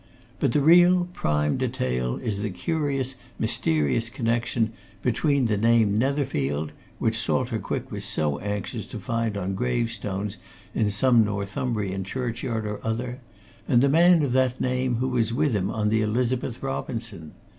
But the real, prime detail is the curious, mysterious connection between the name Netherfield, which Salter Quick was so anxious to find on gravestones in some Northumbrian churchyard or other, and the man of that name who was with him on the Elizabeth Robinson.